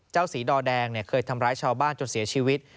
สีดอแดงเคยทำร้ายชาวบ้านจนเสียชีวิต